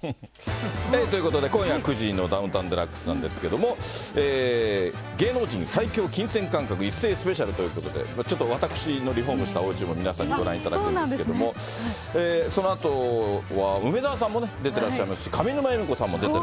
ということで、今夜９時のダウンタウンＤＸなんですけれども、芸能人最強の金銭感覚一斉スペシャルということで、ちょっと私のリフォームしたおうちも皆さんにご覧いただくんですけれども、そのあと、は、梅沢さんも出てらっしゃいますし、上沼恵美子さんも出ていらっ